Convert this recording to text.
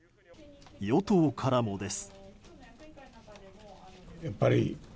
与党からもです。